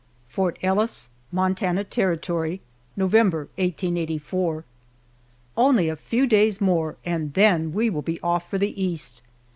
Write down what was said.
FORT ELLIS, MONTANA TERRITORY, November, 1884. ONLY a few days more, and then we will be off for the East!